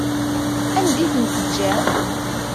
Anda i ten-teǧǧiḍ?